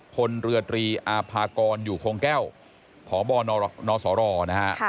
พลเรือตรีอาภากรอยู่คงแก้วพบนสรนะฮะ